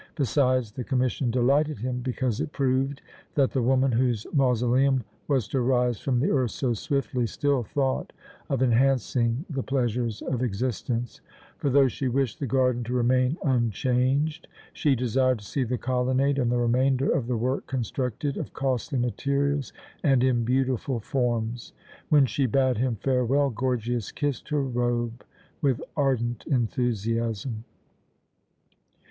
Besides, the commission delighted him because it proved that the woman whose mausoleum was to rise from the earth so swiftly still thought of enhancing the pleasures of existence; for, though she wished the garden to remain unchanged, she desired to see the colonnade and the remainder of the work constructed of costly materials and in beautiful forms. When she bade him farewell, Gorgias kissed her robe with ardent enthusiasm.